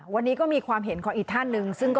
วันนี้ก็มีความเห็นของอีกท่านหนึ่ง